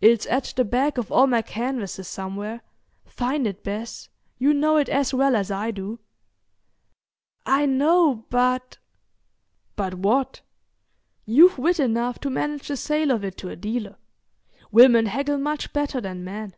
"It's at the back of all my canvases somewhere. Find it, Bess; you know it as well as I do." "I know—but—" "But what? You've wit enough to manage the sale of it to a dealer. Women haggle much better than men.